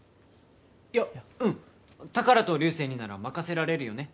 いやうん宝と竜星になら任せられるよね？